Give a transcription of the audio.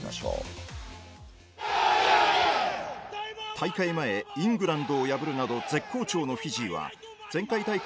大会前イングランドを破るなど絶好調のフィジーは前回大会